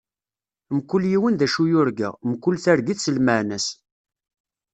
Mkul yiwen d acu yurga, mkul targit s lmeɛna-s.